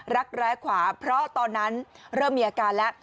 ร้ายขวาเพราะตอนนั้นเริ่มมีอาการแล้ว